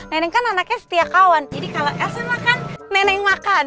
neneng kan anaknya setia kawan jadi kalau elsa makan neneng makan